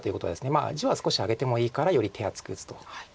まあ地は少しあげてもいいからより手厚く打つと。